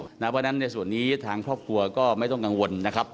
เพราะฉะนั้นในส่วนนี้ทางครอบครัวก็ไม่ต้องกังวลนะครับ